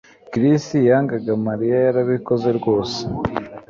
Chris yangaga Mariya Yarabikoze rwose